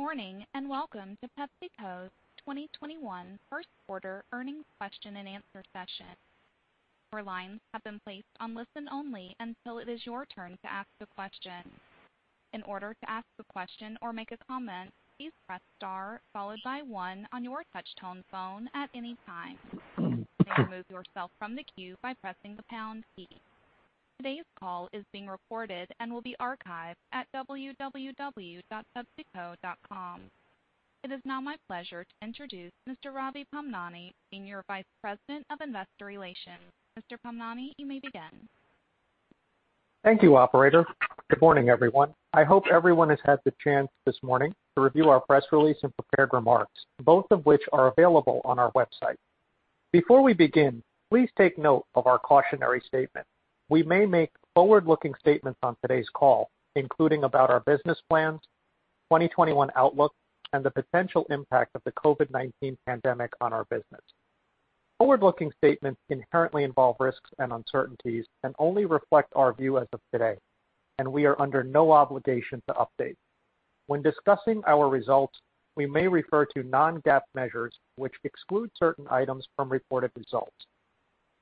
Good morning, and welcome to PepsiCo's 2021 first quarter earnings question and answer session. Your line have been placed on the listen only until its your time to ask a question. In order to ask a question or make a comment please press star followed by one on your touch-tone phone at anytime. You may remove your self from the queue by pressing the pound key. Today's call is being recorded and will be archived at www.pepsico.com. It is now my pleasure to introduce Mr. Ravi Pamnani, Senior Vice President of Investor Relations. Mr. Pamnani, you may begin. Thank you, operator. Good morning, everyone. I hope everyone has had the chance this morning to review our press release and prepared remarks, both of which are available on our website. Before we begin, please take note of our cautionary statement. We may make forward-looking statements on today's call, including about our business plans, 2021 outlook, and the potential impact of the COVID-19 pandemic on our business. Forward-looking statements inherently involve risks and uncertainties and only reflect our view as of today, and we are under no obligation to update. When discussing our results, we may refer to non-GAAP measures which exclude certain items from reported results.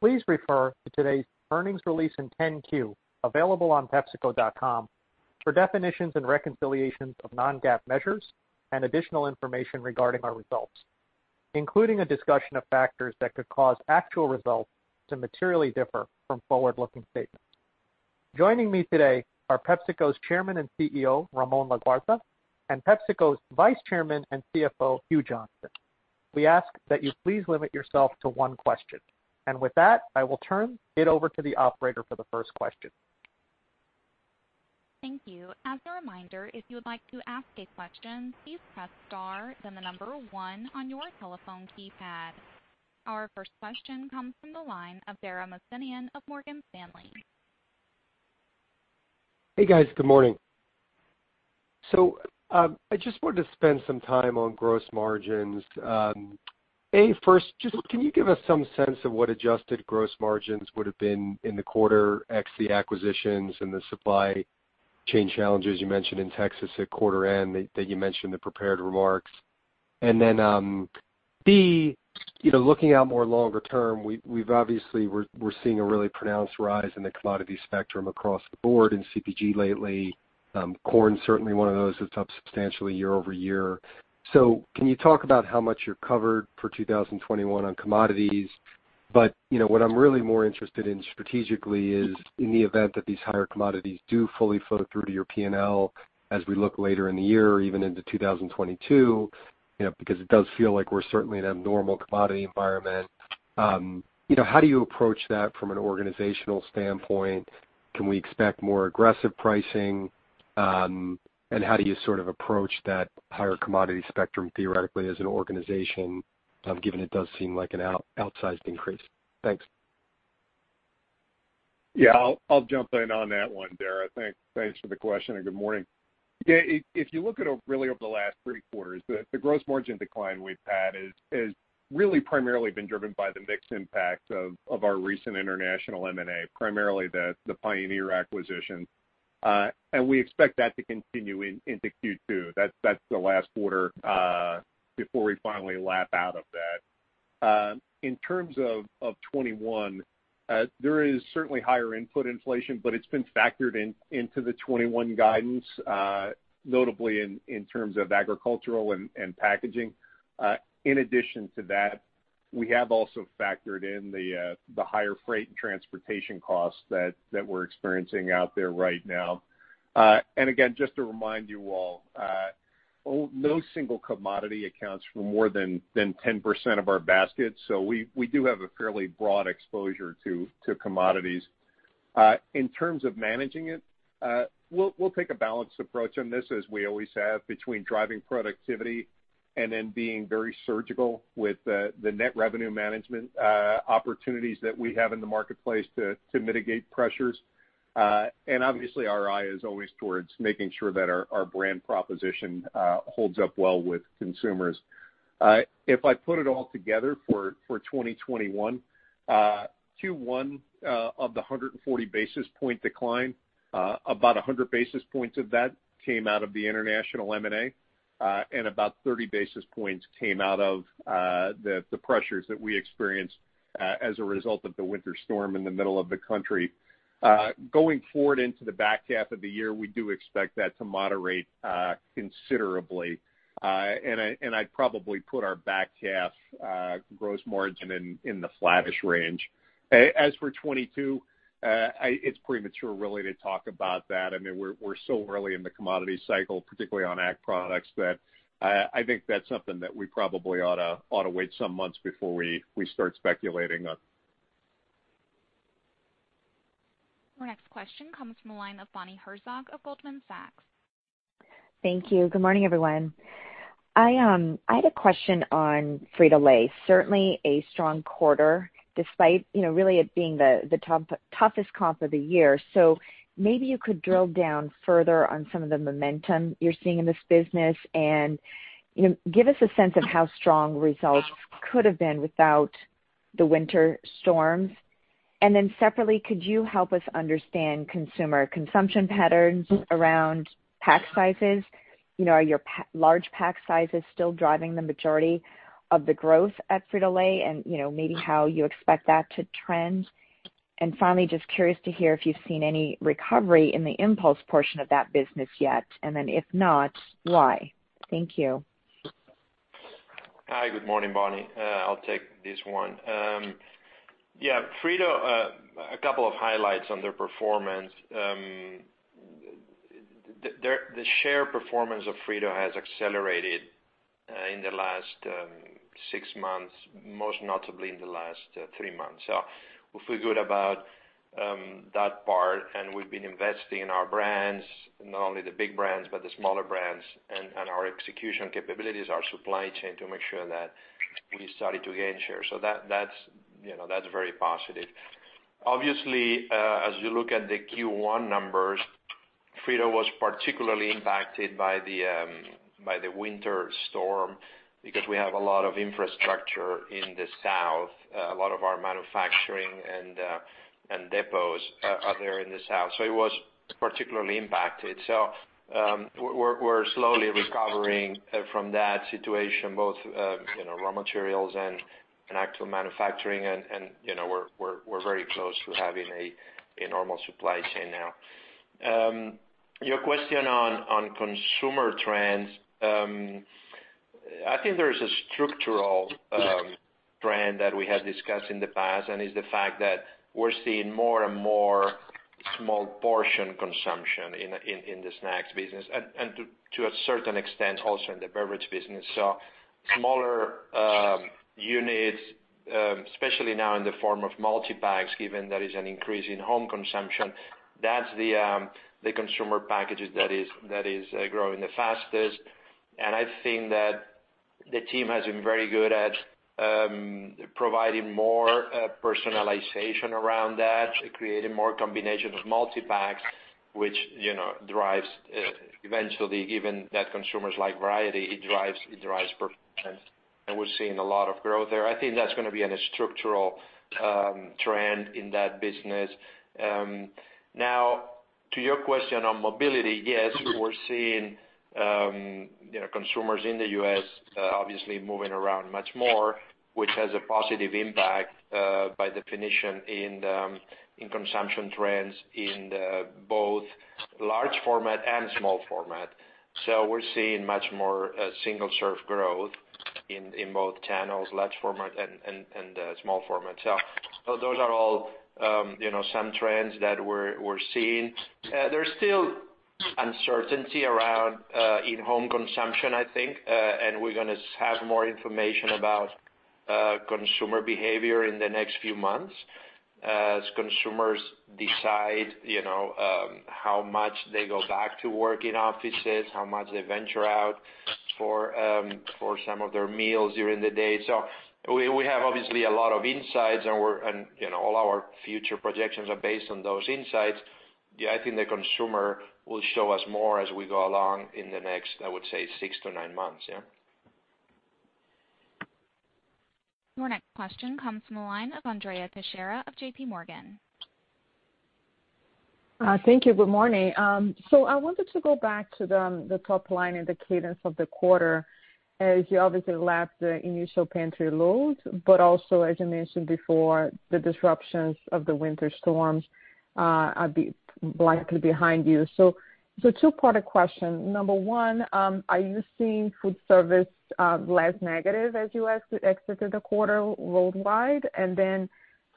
Please refer to today's earnings release and 10-Q, available on pepsico.com, for definitions and reconciliations of non-GAAP measures and additional information regarding our results, including a discussion of factors that could cause actual results to materially differ from forward-looking statements. Joining me today are PepsiCo's Chairman and CEO, Ramon Laguarta, and PepsiCo's Vice Chairman and CFO, Hugh Johnston. We ask that you please limit yourself to one question. With that, I will turn it over to the operator for the first question. Thank you. As a reminder, if you would like to ask a question, please press star, then the number one on your telephone keypad. Our first question comes from the line of Dara Mohsenian of Morgan Stanley. Hey, guys. Good morning. I just wanted to spend some time on gross margins. A, first, just can you give us some sense of what adjusted gross margins would've been in the quarter, ex the acquisitions and the supply chain challenges you mentioned in Texas at quarter end that you mentioned in the prepared remarks? B, looking out more longer term, obviously, we're seeing a really pronounced rise in the commodity spectrum across the board in CPG lately. Corn's certainly one of those that's up substantially year-over-year. Can you talk about how much you're covered for 2021 on commodities? What I'm really more interested in strategically is in the event that these higher commodities do fully flow through to your P&L as we look later in the year or even into 2022, because it does feel like we're certainly in an abnormal commodity environment, how do you approach that from an organizational standpoint? Can we expect more aggressive pricing? How do you sort of approach that higher commodity spectrum theoretically as an organization, given it does seem like an outsized increase? Thanks. Yeah, I'll jump in on that one, Dara. Thanks for the question. Good morning. If you look at really over the last three quarters, the gross margin decline we've had has really primarily been driven by the mix impact of our recent international M&A, primarily the Pioneer acquisition. We expect that to continue into Q2. That's the last quarter before we finally lap out of that. In terms of 2021, there is certainly higher input inflation, but it's been factored into the 2021 guidance, notably in terms of agricultural and packaging. In addition to that, we have also factored in the higher freight and transportation costs that we're experiencing out there right now. Again, just to remind you all, no single commodity accounts for more than 10% of our basket, so we do have a fairly broad exposure to commodities. In terms of managing it, we'll take a balanced approach on this as we always have, between driving productivity and then being very surgical with the net revenue management opportunities that we have in the marketplace to mitigate pressures. Obviously, our eye is always towards making sure that our brand proposition holds up well with consumers. If I put it all together for 2021, Q1, of the 140 basis point decline, about 100 basis points of that came out of the international M&A, and about 30 basis points came out of the pressures that we experienced as a result of the winter storm in the middle of the country. Going forward into the back half of the year, we do expect that to moderate considerably. I'd probably put our back half gross margin in the flattish range. As for 2022, it's premature really to talk about that. I mean, we're so early in the commodity cycle, particularly on ag products, that I think that's something that we probably ought to wait some months before we start speculating on. Our next question comes from the line of Bonnie Herzog of Goldman Sachs. Thank you. Good morning, everyone. I had a question on Frito-Lay. Certainly a strong quarter, despite really it being the toughest comp of the year. Maybe you could drill down further on some of the momentum you're seeing in this business and give us a sense of how strong results could've been without the winter storms. Separately, could you help us understand consumer consumption patterns around pack sizes? Are your large pack sizes still driving the majority of the growth at Frito-Lay, and maybe how you expect that to trend? Finally, just curious to hear if you've seen any recovery in the impulse portion of that business yet, if not, why? Thank you. Hi. Good morning, Bonnie. I'll take this one. Yeah, Frito, a couple of highlights on their performance. The share performance of Frito has accelerated in the last six months, most notably in the last three months. We feel good about that part, and we've been investing in our brands, not only the big brands, but the smaller brands, and our execution capabilities, our supply chain, to make sure that we started to gain share. That's very positive. Obviously, as you look at the Q1 numbers, Frito was particularly impacted by the winter storm because we have a lot of infrastructure in the South. A lot of our manufacturing and depots are there in the South. It was particularly impacted. We're slowly recovering from that situation, both raw materials and actual manufacturing. We're very close to having a normal supply chain now. Your question on consumer trends, I think there is a structural trend that we had discussed in the past, and it's the fact that we're seeing more and more small portion consumption in the snacks business and to a certain extent, also in the beverage business. Smaller units, especially now in the form of multipacks, given there is an increase in home consumption. That's the consumer packages that is growing the fastest. I think that the team has been very good at providing more personalization around that, creating more combinations of multipacks, which drives eventually, given that consumers like variety, it drives performance. We're seeing a lot of growth there. I think that's going to be a structural trend in that business. To your question on mobility, yes, we're seeing consumers in the U.S. obviously moving around much more, which has a positive impact, by definition, in consumption trends in both large format and small format. We're seeing much more single-serve growth in both channels, large format and small format. Those are all some trends that we're seeing. There's still uncertainty around in-home consumption, I think, and we're going to have more information about consumer behavior in the next few months as consumers decide how much they go back to work in offices, how much they venture out for some of their meals during the day. We have obviously a lot of insights, and all our future projections are based on those insights. Yeah, I think the consumer will show us more as we go along in the next, I would say, six to nine months, yeah. Your next question comes from the line of Andrea Teixeira of JP Morgan. Thank you. Good morning. I wanted to go back to the top line and the cadence of the quarter as you obviously lapped the initial pantry load, but also, as you mentioned before, the disruptions of the winter storms are likely behind you. Two-part question. Number one, are you seeing food service less negative as you exited the quarter worldwide?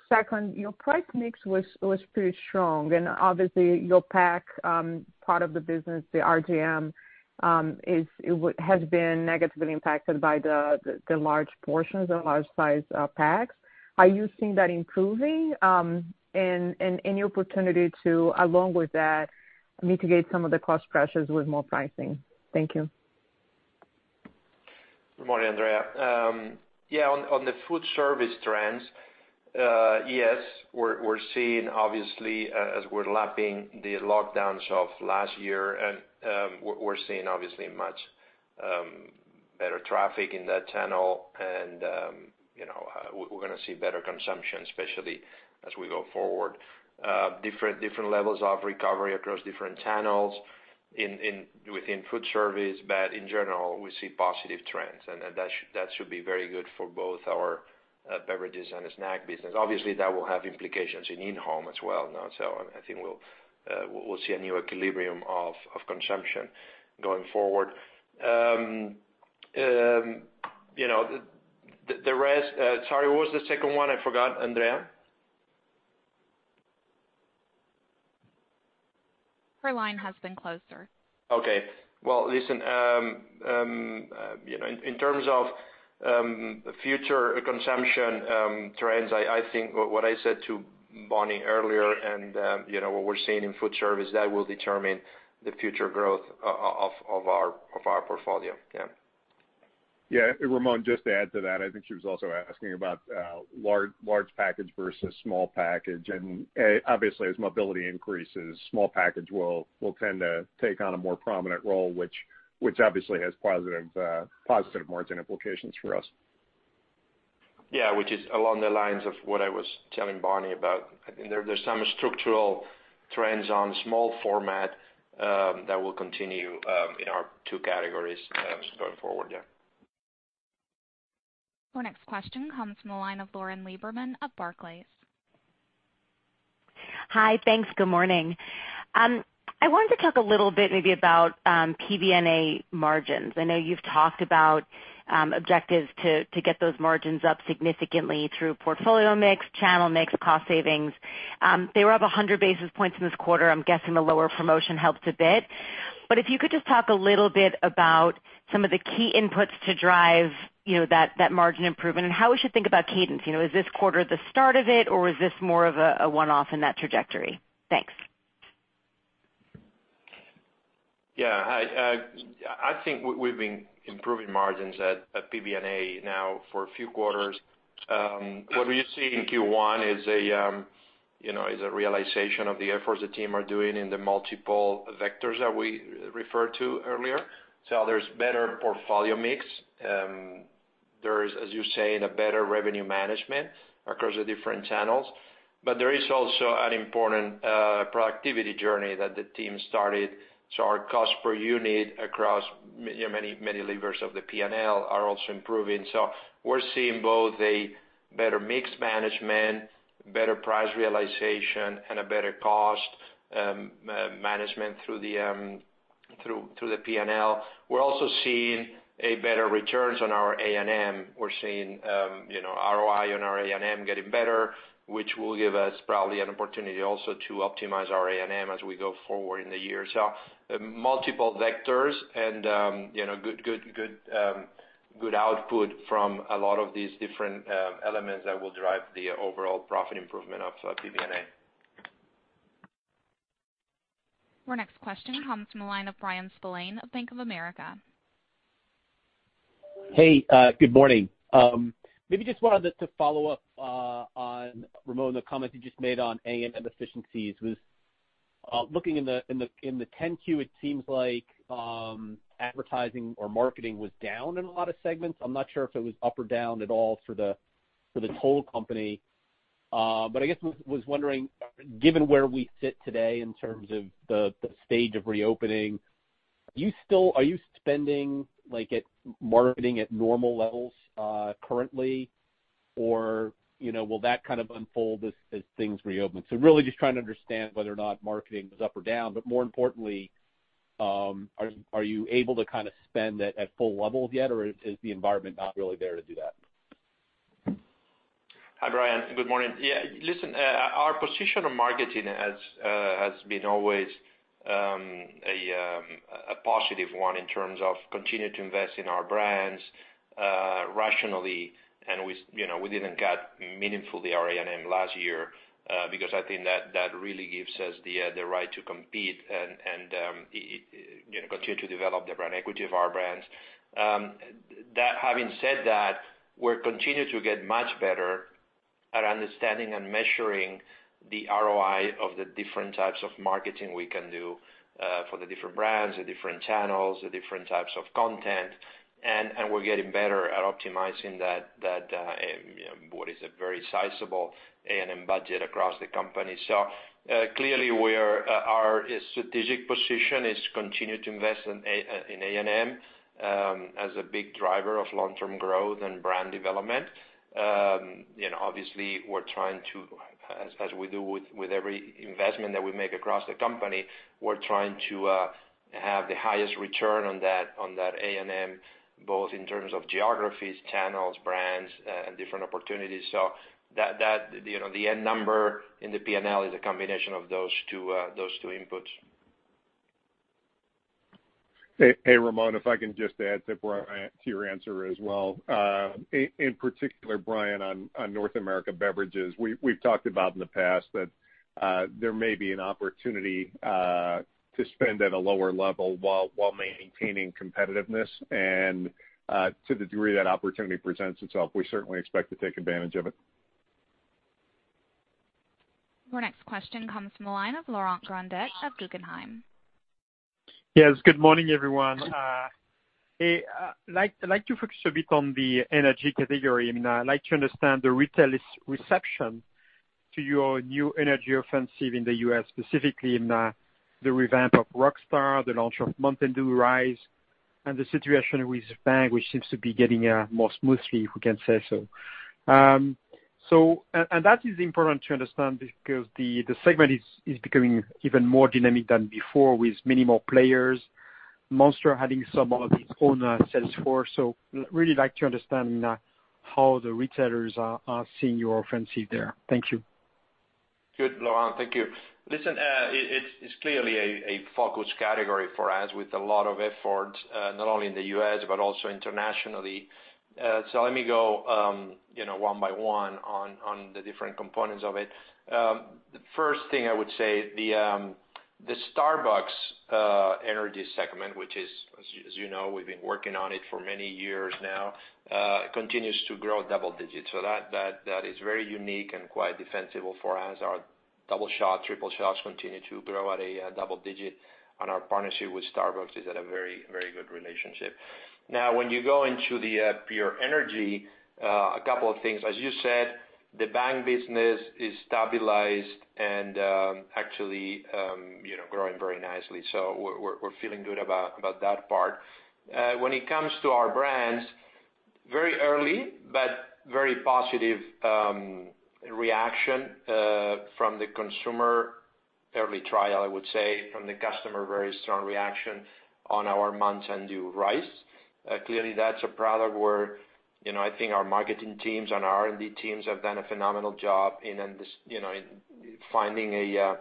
Second, your price mix was pretty strong. Obviously your pack part of the business, the RGM, has been negatively impacted by the large portions, the large size packs. Are you seeing that improving? Any opportunity to, along with that, mitigate some of the cost pressures with more pricing? Thank you. Good morning, Andrea. Yeah, on the food service trends, yes, we're seeing obviously, as we're lapping the lockdowns of last year, we're seeing obviously much better traffic in that channel and we're going to see better consumption, especially as we go forward. Different levels of recovery across different channels within food service. In general, we see positive trends, and that should be very good for both our beverages and the snack business. Obviously, that will have implications in in-home as well now. I think we'll see a new equilibrium of consumption going forward. The rest, sorry, what was the second one? I forgot, Andrea. Her line has been closed, sir. Okay. Well, listen. In terms of future consumption trends, I think what I said to Bonnie earlier and what we're seeing in food service, that will determine the future growth of our portfolio, yeah. Yeah. Ramon, just to add to that, I think she was also asking about large package versus small package. Obviously, as mobility increases, small package will tend to take on a more prominent role, which obviously has positive margin implications for us. Yeah, which is along the lines of what I was telling Bonnie about, I think there's some structural trends on small format that will continue in our two categories going forward, yeah. Our next question comes from the line of Lauren Lieberman of Barclays. Hi. Thanks. Good morning. I wanted to talk a little bit maybe about PBNA margins. I know you've talked about objectives to get those margins up significantly through portfolio mix, channel mix, cost savings. They were up 100 basis points in this quarter. I'm guessing the lower promotion helped a bit. If you could just talk a little bit about some of the key inputs to drive that margin improvement, and how we should think about cadence. Is this quarter the start of it, or is this more of a one-off in that trajectory? Thanks. Hi. I think we've been improving margins at PBNA now for a few quarters. What we see in Q1 is a realization of the efforts the team are doing in the multiple vectors that we referred to earlier. There's better portfolio mix. There is, as you say, a better revenue management across the different channels. There is also an important productivity journey that the team started, our cost per unit across many levers of the P&L are also improving. We're seeing both a better mix management, better price realization, and a better cost management through the P&L. We're also seeing a better returns on our A&M. We're seeing ROI on our A&M getting better, which will give us probably an opportunity also to optimize our A&M as we go forward in the year. Multiple vectors and good output from a lot of these different elements that will drive the overall profit improvement of PBNA. Our next question comes from the line of Bryan Spillane of Bank of America. Hey, good morning. Maybe just wanted to follow up on, Ramon, the comment you just made on A&M efficiencies was, looking in the 10-Q, it seems like advertising or marketing was down in a lot of segments. I'm not sure if it was up or down at all for the total company. I guess, I was wondering, given where we sit today in terms of the stage of reopening, are you spending marketing at normal levels, currently? Will that kind of unfold as things reopen? Really just trying to understand whether or not marketing was up or down, but more importantly, are you able to kind of spend at full levels yet, or is the environment not really there to do that? Hi, Bryan. Good morning. Yeah. Listen, our position on marketing has been always a positive one in terms of continue to invest in our brands, rationally. We didn't cut meaningfully our A&M last year, because I think that really gives us the right to compete and continue to develop the brand equity of our brands. Having said that, we're continuing to get much better at understanding and measuring the ROI of the different types of marketing we can do, for the different brands, the different channels, the different types of content. We're getting better at optimizing what is a very sizable A&M budget across the company. Clearly our strategic position is to continue to invest in A&M, as a big driver of long-term growth and brand development. Obviously, as we do with every investment that we make across the company, we're trying to have the highest return on that A&M, both in terms of geographies, channels, brands, and different opportunities. The end number in the P&L is a combination of those two inputs. Hey, Ramon, if I can just add to Bryan, to your answer as well. In particular, Bryan, on PepsiCo Beverages North America, we've talked about in the past that there may be an opportunity to spend at a lower level while maintaining competitiveness. To the degree that opportunity presents itself, we certainly expect to take advantage of it. Our next question comes from the line of Laurent Grandet of Guggenheim. Yes. Good morning, everyone. I'd like to focus a bit on the energy category, and I'd like to understand the retailer's reception to your new energy offensive in the U.S., specifically in the revamp of Rockstar, the launch of Mountain Dew Rise, and the situation with Bang, which seems to be getting more smoothly, if we can say so. That is important to understand because the segment is becoming even more dynamic than before, with many more players. Monster having some of its own sales force. Really like to understand how the retailers are seeing your offensive there. Thank you. Good, Laurent, thank you. Listen, it's clearly a focused category for us with a lot of effort, not only in the U.S., but also internationally. Let me go one by one on the different components of it. The first thing I would say, the Starbucks energy segment, which is, as you know, we've been working on it for many years now, continues to grow double digits. That is very unique and quite defensible for us. Our double shots, triple shots continue to grow at a double digit on our partnership with Starbucks is at a very good relationship. When you go into the pure energy, a couple of things. As you said, the Bang business is stabilized and actually growing very nicely. We're feeling good about that part. When it comes to our brands, very early, but very positive reaction from the consumer. Early trial, I would say, from the customer, very strong reaction on our Mountain Dew Rise. Clearly, that's a product where I think our marketing teams and R&D teams have done a phenomenal job in finding a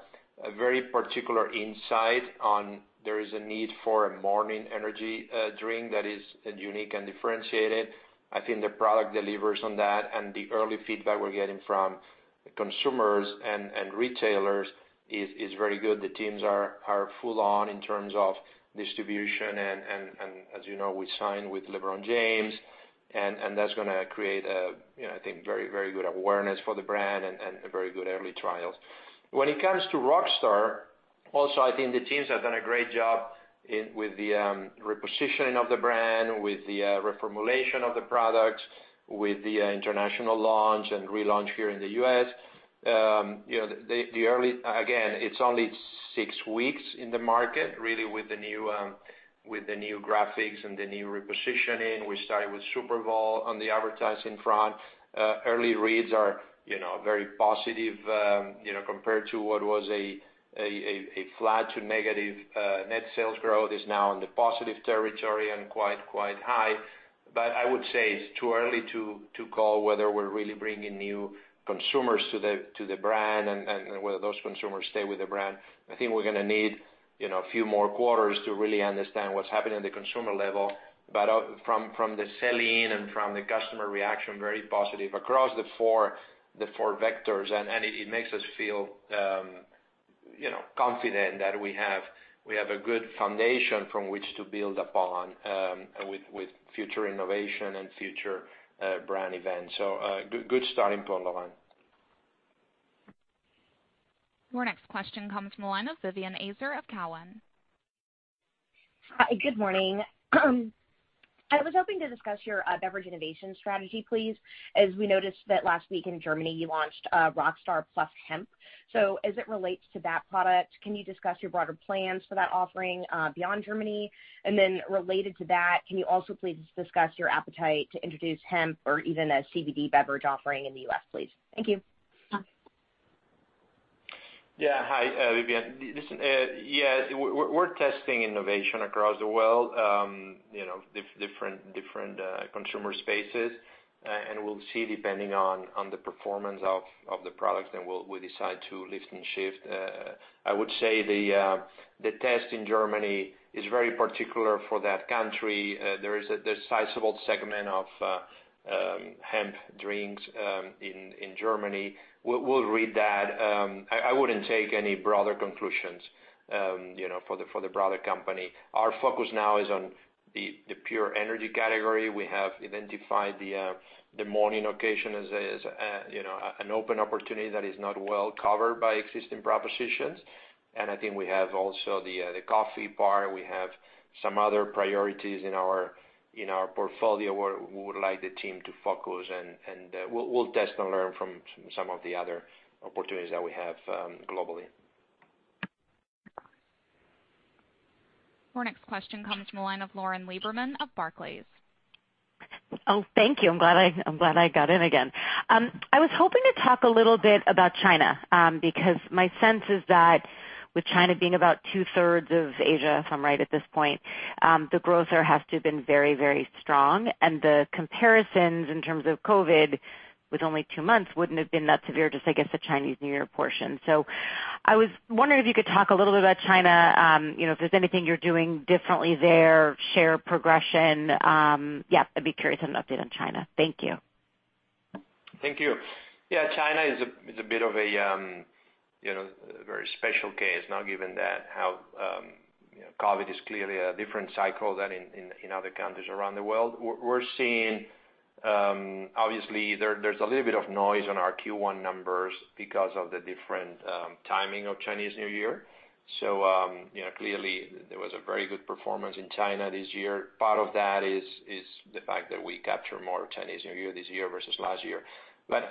very particular insight on, there is a need for a morning energy drink that is unique and differentiated. I think the product delivers on that, and the early feedback we're getting from consumers and retailers is very good. The teams are full on in terms of distribution and as you know, we signed with LeBron James and that's going to create, I think, very good awareness for the brand and very good early trials. When it comes to Rockstar, also, I think the teams have done a great job with the repositioning of the brand, with the reformulation of the product, with the international launch, and relaunch here in the U.S. It's only six weeks in the market, really with the new graphics and the new repositioning. We started with Super Bowl on the advertising front. Early reads are very positive compared to what was a flat to negative net sales growth, is now in the positive territory and quite high. I would say it's too early to call whether we're really bringing new consumers to the brand and whether those consumers stay with the brand. I think we're going to need a few more quarters to really understand what's happening in the consumer level. From the selling and from the customer reaction, very positive across the four vectors. It makes us feel confident that we have a good foundation from which to build upon, with future innovation and future brand events. Good starting point, Laurent. Your next question comes from the line of Vivien Azer of Cowen. Hi, good morning. I was hoping to discuss your beverage innovation strategy, please, as we noticed that last week in Germany, you launched Rockstar Energy + Hemp. As it relates to that product, can you discuss your broader plans for that offering beyond Germany? Related to that, can you also please discuss your appetite to introduce hemp or even a CBD beverage offering in the U.S., please? Thank you. Hi, Vivien. Listen, we're testing innovation across the world, different consumer spaces. We'll see, depending on the performance of the products, then we'll decide to lift and shift. I would say the test in Germany is very particular for that country. There is a sizable segment of hemp drinks in Germany. We'll read that. I wouldn't take any broader conclusions for the broader company. Our focus now is on the pure energy category. We have identified the morning occasion as an open opportunity that is not well covered by existing propositions. I think we have also the coffee bar. We have some other priorities in our portfolio where we would like the team to focus. We'll test and learn from some of the other opportunities that we have globally. Our next question comes from the line of Lauren Lieberman of Barclays. Oh, thank you. I'm glad I got in again. I was hoping to talk a little bit about China, because my sense is that with China being about two-thirds of Asia, if I'm right at this point, the growth there has to have been very strong. The comparisons in terms of COVID with only two months wouldn't have been that severe, just against the Chinese New Year portion. I was wondering if you could talk a little bit about China, if there's anything you're doing differently there, share progression. Yeah, I'd be curious on an update on China. Thank you. Thank you. Yeah, China is a bit of a very special case now, given that how COVID is clearly a different cycle than in other countries around the world. We're seeing, obviously, there's a little bit of noise on our Q1 numbers because of the different timing of Chinese New Year. Clearly, there was a very good performance in China this year. Part of that is the fact that we capture more of Chinese New Year this year versus last year.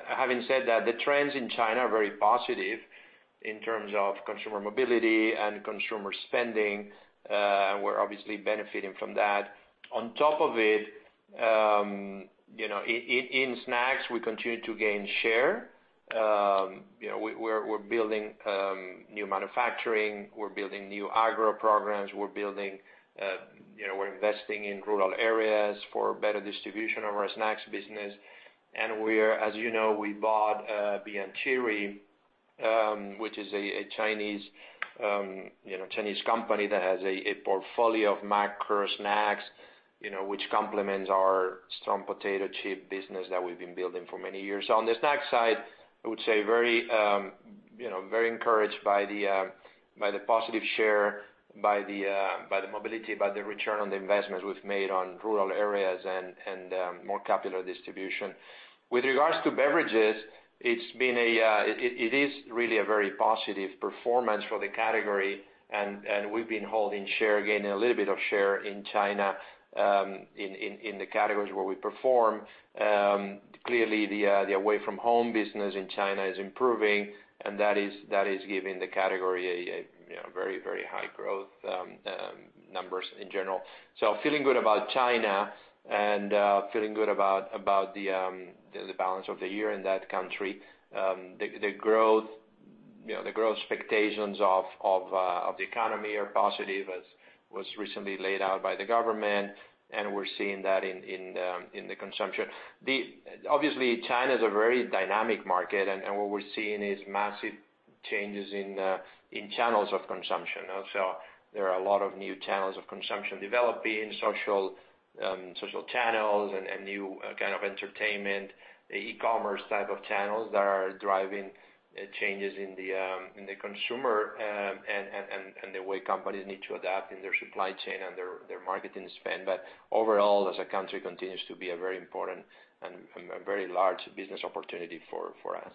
Having said that, the trends in China are very positive in terms of consumer mobility and consumer spending. We're obviously benefiting from that. On top of it, in snacks, we continue to gain share. We're building new manufacturing, we're building new agro programs. We're investing in rural areas for better distribution of our snacks business. As you know, we bought Be & Cheery, which is a Chinese company that has a portfolio of macro snacks, which complements our strong potato chip business that we've been building for many years. On the snack side, I would say very encouraged by the positive share, by the mobility, by the return on the investments we've made on rural areas and more popular distribution. With regards to beverages, it is really a very positive performance for the category, and we've been holding share, gaining a little bit of share in China, in the categories where we perform. Clearly, the away-from-home business in China is improving, and that is giving the category a very high growth numbers in general. Feeling good about China and feeling good about the balance of the year in that country. The growth expectations of the economy are positive, as was recently laid out by the government, and we're seeing that in the consumption. Obviously, China's a very dynamic market, and what we're seeing is massive changes in channels of consumption. There are a lot of new channels of consumption developing, social channels and new kind of entertainment, the e-commerce type of channels that are driving changes in the consumer, and the way companies need to adapt in their supply chain and their marketing spend. Overall, as a country, continues to be a very important and a very large business opportunity for us.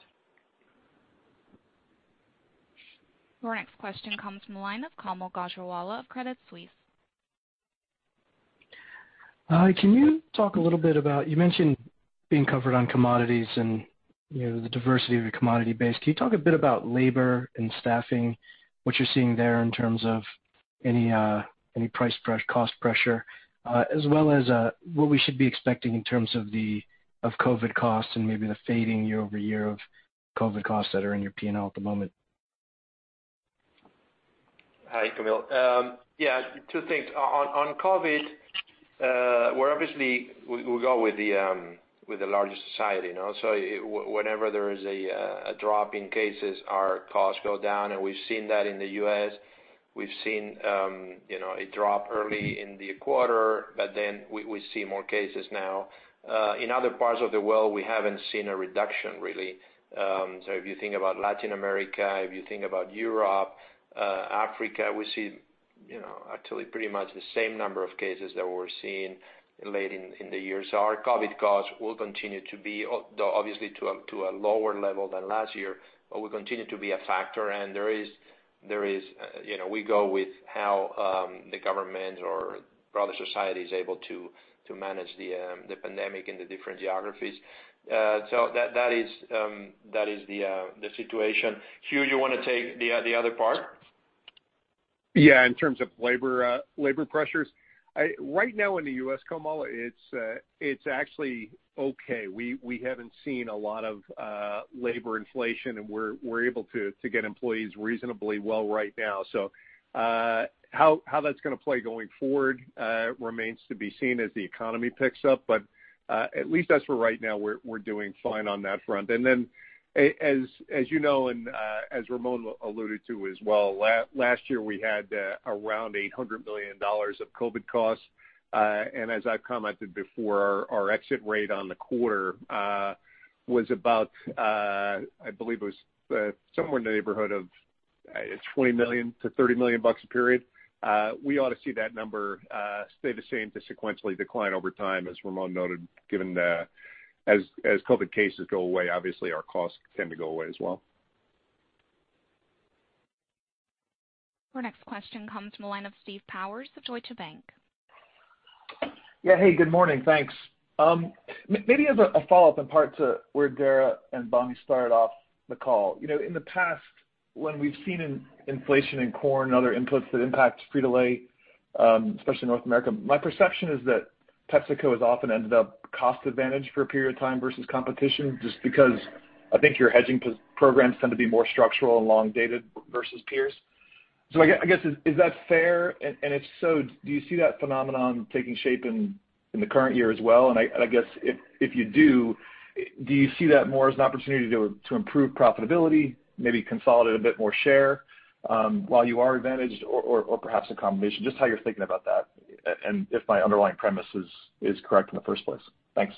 Your next question comes from the line of Kaumil Gajrawala of Credit Suisse. Hi, can you talk a little bit about, you mentioned being covered on commodities and the diversity of your commodity base. Can you talk a bit about labor and staffing, what you're seeing there in terms of any price cost pressure? What we should be expecting in terms of COVID costs and maybe the fading year-over-year of COVID costs that are in your P&L at the moment? Hi, Kaumil. Yeah, two things. COVID, we go with the larger society. Whenever there is a drop in cases, our costs go down, and we've seen that in the U.S. We've seen a drop early in the quarter, we see more cases now. In other parts of the world, we haven't seen a reduction, really. If you think about Latin America, if you think about Europe, Africa, we see actually pretty much the same number of cases that we're seeing late in the year. Our COVID costs will continue to be, though obviously to a lower level than last year, but will continue to be a factor, and we go with how the government or broader society is able to manage the pandemic in the different geographies. That is the situation. Hugh, you want to take the other part? Yeah, in terms of labor pressures. Right now in the U.S., Kaumil, it's actually okay. We haven't seen a lot of labor inflation, and we're able to get employees reasonably well right now. How that's going to play going forward remains to be seen as the economy picks up, but at least as for right now, we're doing fine on that front. As you know, and as Ramon Laguarta alluded to as well, last year, we had around $800 million of COVID costs. As I've commented before, our exit rate on the quarter was about, I believe it was somewhere in the neighborhood of $20 to 30 million a period. We ought to see that number stay the same to sequentially decline over time, as Ramon Laguarta noted, given as COVID cases go away, obviously our costs tend to go away as well. Our next question comes from the line of Steve Powers of Deutsche Bank. Yeah. Hey, good morning, thanks. Maybe as a follow-up in part to where Dara and Bonnie started off the call. In the past, when we've seen inflation in corn and other inputs that impact Frito-Lay, especially North America, my perception is that PepsiCo has often ended up cost advantage for a period of time versus competition, just because I think your hedging programs tend to be more structural and long-dated versus peers. I guess, is that fair? If so, do you see that phenomenon taking shape in the current year as well? I guess if you do you see that more as an opportunity to improve profitability, maybe consolidate a bit more share while you are advantaged, or perhaps a combination? Just how you're thinking about that, and if my underlying premise is correct in the first place. Thanks.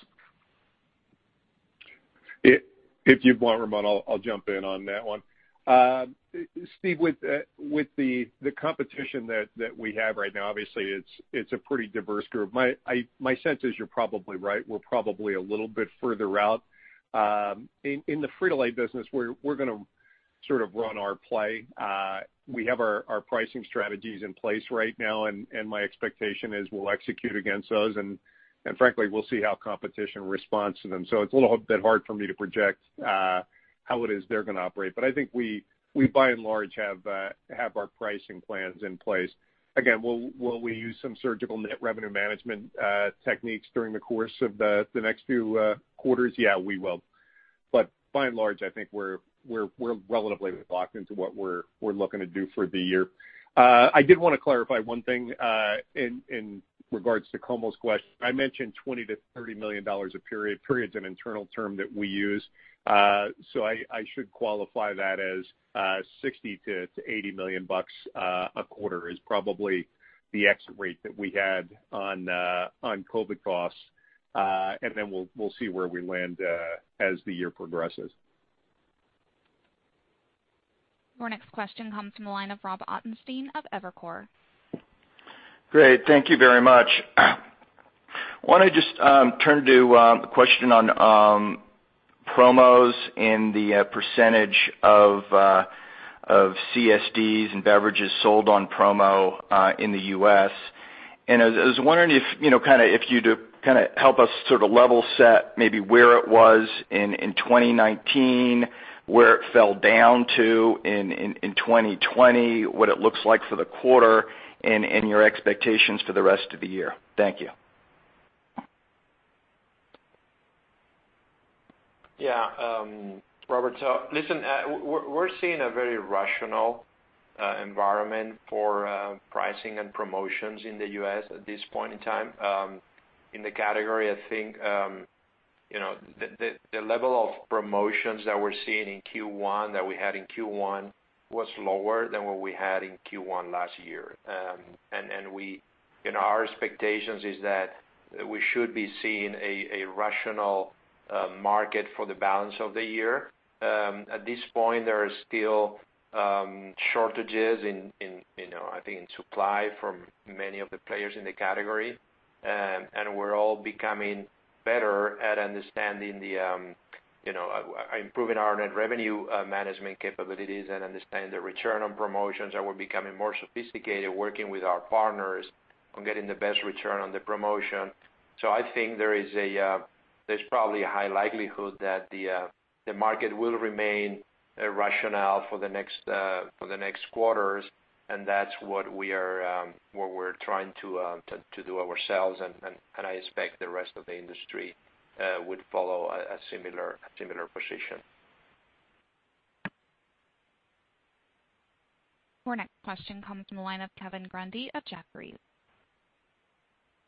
If you want, Ramon, I'll jump in on that one. Steve, with the competition that we have right now, obviously it's a pretty diverse group. My sense is you're probably right. We're probably a little bit further out. In the Frito-Lay business, we're going to sort of run our play. We have our pricing strategies in place right now, and my expectation is we'll execute against those, and frankly, we'll see how competition responds to them. It's a little bit hard for me to project how it is they're going to operate. I think we, by and large, have our pricing plans in place. Again, will we use some surgical net revenue management techniques during the course of the next few quarters? Yeah, we will. By and large, I think we're relatively locked into what we're looking to do for the year. I did want to clarify one thing in regards to Kaumil's question. I mentioned $20 to 30 million a period. Period's an internal term that we use. I should qualify that as $60 to 80 million a quarter is probably the exit rate that we had on COVID costs. We'll see where we land as the year progresses. Our next question comes from the line of Robert Ottenstein of Evercore. Great. Thank you very much. Want to just turn to a question on promos and the percentage of CSDs and beverages sold on promo in the U.S. I was wondering if you'd help us sort of level set maybe where it was in 2019, where it fell down to in 2020, what it looks like for the quarter, and your expectations for the rest of the year. Thank you. Yeah. Robert, listen, we're seeing a very rational environment for pricing and promotions in the U.S. at this point in time. In the category, I think, the level of promotions that we're seeing in Q1, that we had in Q1, was lower than what we had in Q1 last year. Our expectations is that we should be seeing a rational market for the balance of the year. At this point, there are still shortages, I think, in supply from many of the players in the category, and we're all becoming better at improving our net revenue management capabilities and understanding the return on promotions, and we're becoming more sophisticated working with our partners on getting the best return on the promotion. I think there's probably a high likelihood that the market will remain rational for the next quarters, and that's what we're trying to do ourselves. I expect the rest of the industry would follow a similar position. Our next question comes from the line of Kevin Grundy of Jefferies.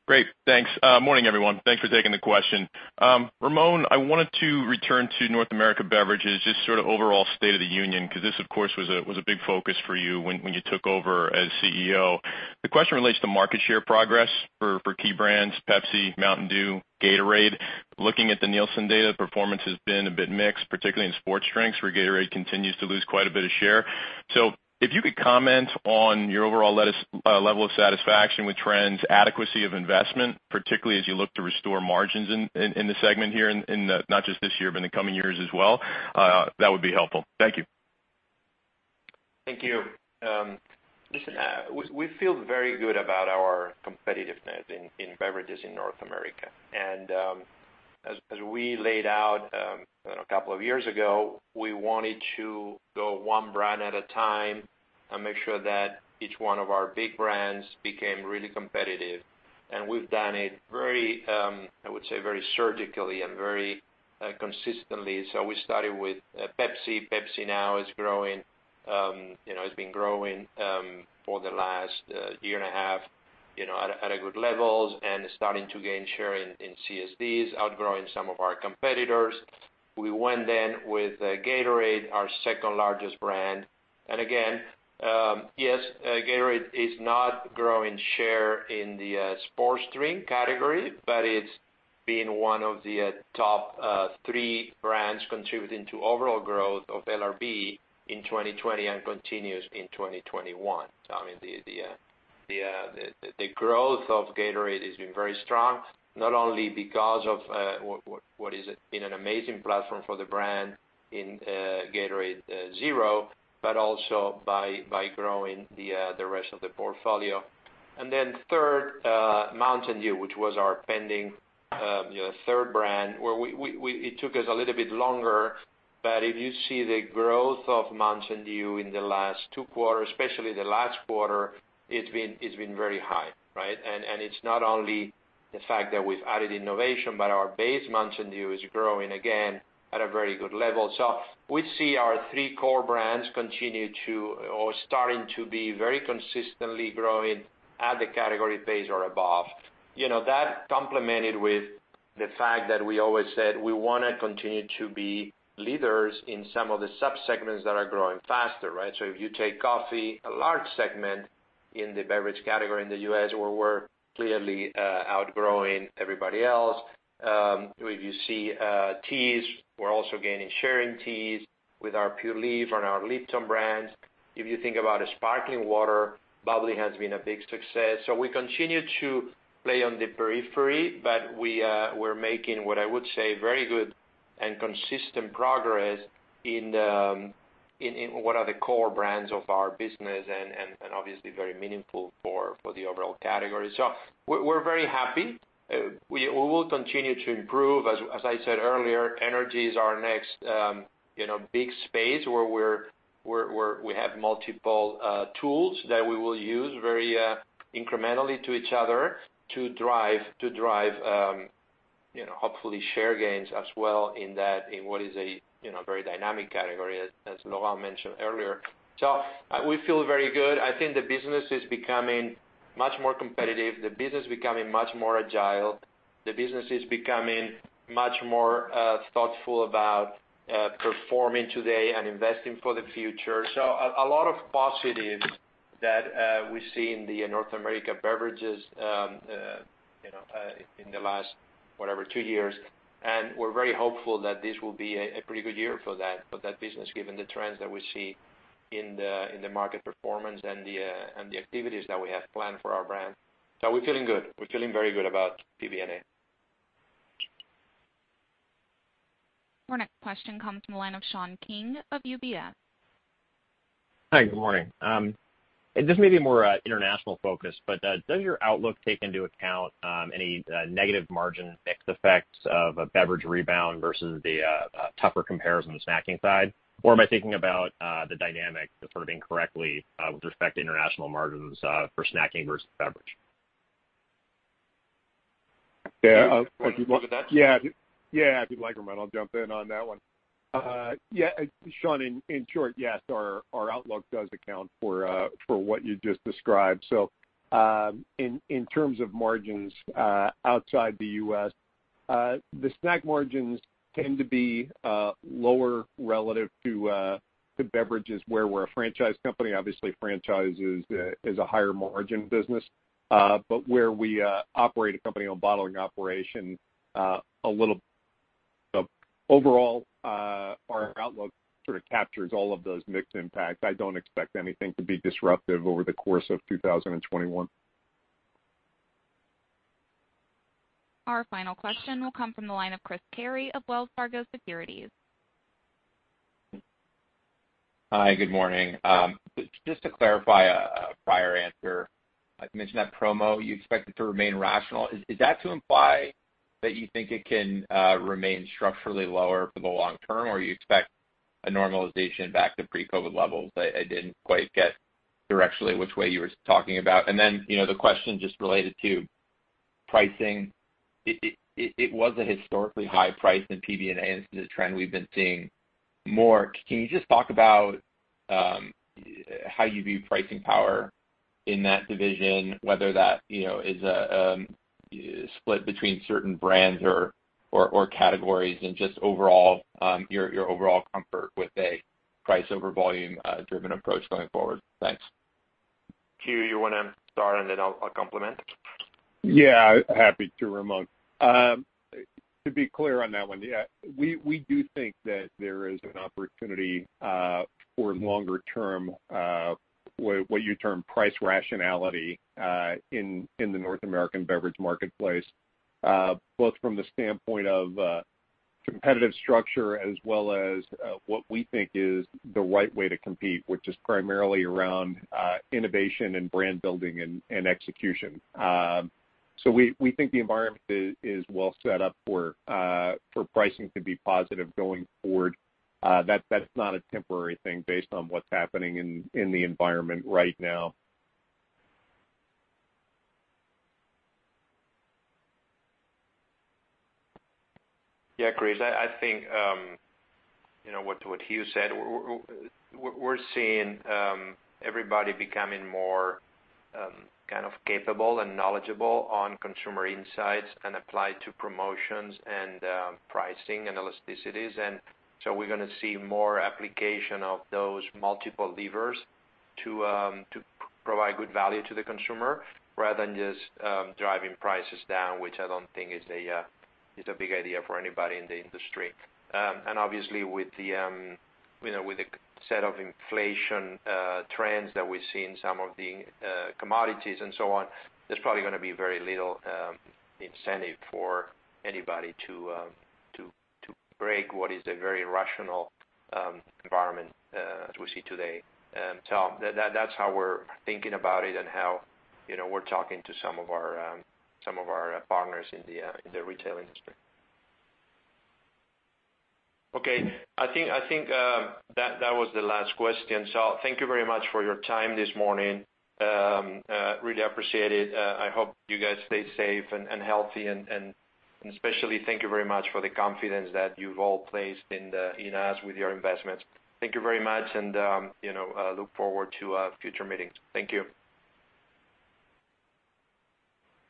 Great. Thanks. Morning, everyone. Thanks for taking the question. Ramon, I wanted to return to North America Beverages, just sort of overall state of the union, because this, of course, was a big focus for you when you took over as CEO. The question relates to market share progress for key brands, Pepsi, Mountain Dew, Gatorade. Looking at the Nielsen data, performance has been a bit mixed, particularly in sports drinks, where Gatorade continues to lose quite a bit of share. If you could comment on your overall level of satisfaction with trends, adequacy of investment, particularly as you look to restore margins in the segment here in not just this year, but in the coming years as well, that would be helpful. Thank you. Thank you. We feel very good about our competitiveness in beverages in North America. As we laid out a couple of years ago, we wanted to go one brand at a time and make sure that each one of our big brands became really competitive. We've done it, I would say, very surgically and very consistently. We started with Pepsi. Pepsi now has been growing for the last year and a half at a good level and is starting to gain share in CSDs, outgrowing some of our competitors. We went then with Gatorade, our second-largest brand. Again, yes, Gatorade is not growing share in the sports drink category, but it's been one of the top three brands contributing to overall growth of LRB in 2020 and continues in 2021. The growth of Gatorade has been very strong, not only because of what has been an amazing platform for the brand in Gatorade Zero, but also by growing the rest of the portfolio. Third, Mountain Dew, which was our pending third brand, where it took us a little bit longer, but if you see the growth of Mountain Dew in the last two quarters, especially the last quarter, it's been very high. Right? It's not only the fact that we've added innovation, but our base Mountain Dew is growing again at a very good level. We see our three core brands continue to, or starting to be very consistently growing at the category pace or above. That complemented with the fact that we always said we want to continue to be leaders in some of the sub-segments that are growing faster. Right? If you take coffee, a large segment in the beverage category in the U.S., where we're clearly outgrowing everybody else. If you see teas, we're also gaining share in teas with our Pure Leaf and our Lipton brands. If you think about sparkling water, bubly has been a big success. We continue to play on the periphery, but we're making what I would say very good and consistent progress in what are the core brands of our business and obviously very meaningful for the overall category. We're very happy. We will continue to improve. As I said earlier, energy is our next big space where we have multiple tools that we will use very incrementally to each other to drive hopefully share gains as well in what is a very dynamic category, as Laurent mentioned earlier. We feel very good. I think the business is becoming much more competitive. The business is becoming much more agile. The business is becoming much more thoughtful about performing today and investing for the future. A lot of positives that we see in the North America beverages in the last, whatever, two years, and we're very hopeful that this will be a pretty good year for that business, given the trends that we see in the market performance and the activities that we have planned for our brand. We're feeling good. We're feeling very good about PBNA. Our next question comes from the line of Sean King of UBS. Hi, good morning. This may be more international focus, but does your outlook take into account any negative margin mix effects of a beverage rebound versus the tougher comparison on the snacking side? Am I thinking about the dynamics as sort of incorrectly with respect to international margins for snacking versus beverage? Yeah. You want that? Yeah. If you'd like, Ramon, I'll jump in on that one. Yeah, Sean, in short, yes, our outlook does account for what you just described. In terms of margins outside the U.S., the snack margins tend to be lower relative to beverages where we're a franchise company. Obviously, franchise is a higher margin business. Where we operate a company on bottling operation. Overall, our outlook sort of captures all of those mixed impacts. I don't expect anything to be disruptive over the course of 2021. Our final question will come from the line of Christopher Carey of Wells Fargo Securities. Hi, good morning. Just to clarify a prior answer, you mentioned that promo, you expect it to remain rational. Is that to imply that you think it can remain structurally lower for the long term, or you expect a normalization back to pre-COVID levels? I didn't quite get directionally which way you were talking about. The question just related to pricing. It was a historically high price in PBNA, and this is a trend we've been seeing more. Can you just talk about how you view pricing power in that division, whether that is split between certain brands or categories and just your overall comfort with a price over volume driven approach going forward? Thanks. Hugh, you want to start and then I'll complement? Yeah, happy to, Ramon. To be clear on that one, yeah, we do think that there is an opportunity for longer term, what you term price rationality, in the North American beverage marketplace, both from the standpoint of competitive structure as well as what we think is the right way to compete, which is primarily around innovation and brand building and execution. We think the environment is well set up for pricing to be positive going forward. That's not a temporary thing based on what's happening in the environment right now. Yeah, Chris, I think what Hugh said, we're seeing everybody becoming more kind of capable and knowledgeable on consumer insights and apply to promotions and pricing and elasticities and so we're going to see more application of those multiple levers to provide good value to the consumer rather than just driving prices down, which I don't think is a big idea for anybody in the industry. Obviously with the set of inflation trends that we see in some of the commodities and so on, there's probably going to be very little incentive for anybody to break what is a very rational environment as we see today. That's how we're thinking about it and how we're talking to some of our partners in the retail industry. Okay. I think that was the last question. Thank you very much for your time this morning. Really appreciate it. I hope you guys stay safe and healthy, especially thank you very much for the confidence that you've all placed in us with your investments. Thank you very much and look forward to future meetings. Thank you.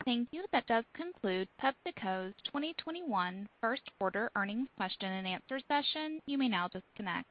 Thank you. That does conclude PepsiCo's 2021 first quarter earnings question and answer session. You may now disconnect.